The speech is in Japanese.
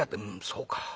「そうか。